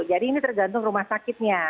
jadi ini tergantung rumah sakitnya